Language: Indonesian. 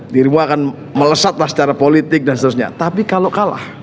dirimu akan melesatlah secara politik dan seterusnya tapi kalau kalah